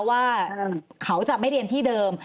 ว่าเขาจะไม่เรียนที่เดิม